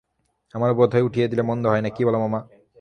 আমারও বোধ হয় উঠিয়ে দিলে মন্দ হয় না, কী বল মামা?